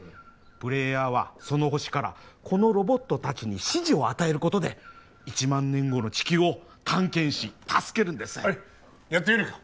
プレイヤーはその星からこのロボット達に指示を与えることで一万年後の地球を探検し助けるんですやってみるか？